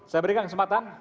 saya berikan kesempatan